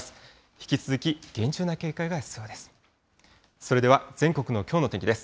引き続き厳重な警戒が必要です。